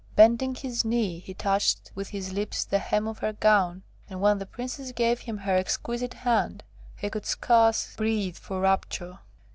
Bending his knee, he touched with his lips the hem of her gown, and when the Princess gave him her exquisite hand, he could scarce breathe for rapture.